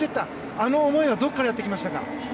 あの思いはどこからやってきましたか。